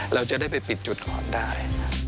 เราจะได้ไปปิดจุดก่อนได้